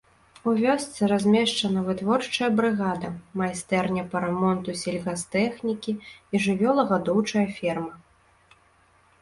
У вёсцы размешчана вытворчая брыгада, майстэрня па рамонту сельгастэхнікі і жывёлагадоўчая ферма.